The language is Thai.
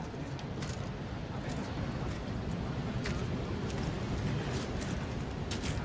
ทุกเวลาบรรยาย